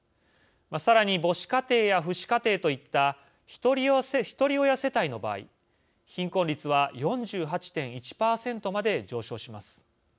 さらに母子家庭や父子家庭といったひとり親世帯の場合貧困率は４８．１％まで上昇します。